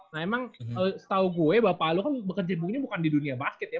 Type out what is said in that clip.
nah emang setau gue bapak lo kan bekerja di dunia bukan di dunia basket ya